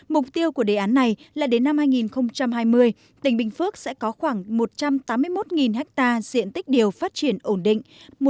mục tiêu của đề án này là đến năm hai nghìn hai mươi tỉnh bình phước sẽ có khoảng một trăm tám mươi một ha diện tích điều phát triển ổn định